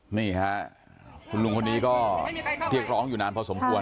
นี่ค่ะคุณลุงคนนี้ก็เรียกร้องอยู่นานพอสมควร